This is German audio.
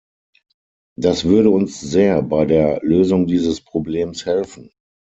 Das würde uns sehr bei der Lösung dieses Problems helfen.